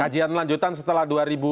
kajian lanjutan setelah dua ribu tujuh belas